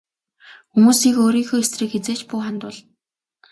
Хүмүүсийг өөрийнхөө эсрэг хэзээ ч бүү хандуул.